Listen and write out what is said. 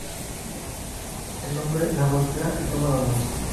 El hombre la golpea y toma la bolsa.